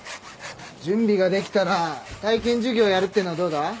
準備ができたら体験授業やるっていうのはどうだ？